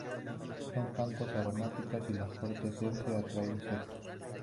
Son plantas aromáticas y la fuerte esencia atrae insectos.